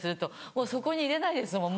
もうそこにいれないですもん